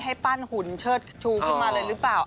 ให้ปั้นหุ่นเชิดชูขึ้นมาเลยหรือเปล่า